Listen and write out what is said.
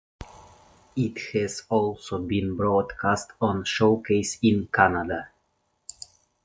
It has also been broadcast on Showcase in Canada.